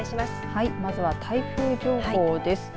はい、まずは台風情報です。